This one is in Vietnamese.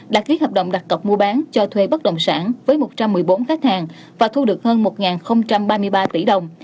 đã ký hợp đồng đặt cọc mua bán cho thuê bất đồng sản với một trăm một mươi bốn khách hàng và thu được hơn một ba mươi ba tỷ đồng